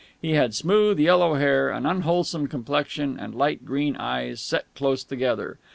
He had smooth, yellow hair, an unwholesome complexion, and light green eyes, set close together.